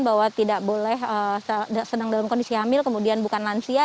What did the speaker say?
bahwa tidak boleh sedang dalam kondisi hamil kemudian bukan lansia